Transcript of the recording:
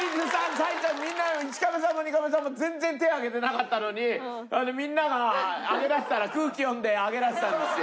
最初みんな１カメさんも２カメさんも全然手上げてなかったのにみんなが上げだしたら空気読んで上げだしたんですよ。